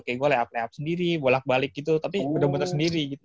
kayak gue layup layup sendiri bolak balik gitu tapi benar benar sendiri gitu